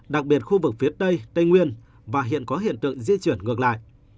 đặc biệt khu vực phía tây tây nguyên và hiện có hiện tượng di chuyển ngược lại